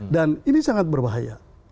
dan ini sangat berbahaya